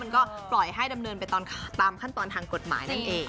ก็ปล่อยให้ดำเนินไปตามขั้นตอนทางกฎหมายนั่นเอง